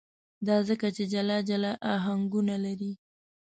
دا ځکه چې جلا جلا آهنګونه لري.